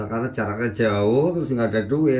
karena jaraknya jauh terus nggak ada duit